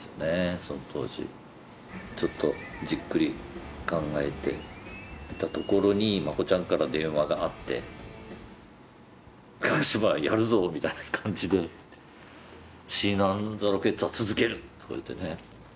その当時ちょっとじっくり考えていたところにマコちゃんから電話があって「川嶋やるぞ」みたいな感じで「シーナ＆ロケッツは続ける」とか言ってね